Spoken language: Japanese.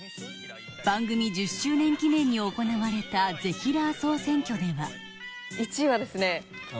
番組１０周年記念に行われたぜひらー総選挙では１位はですね。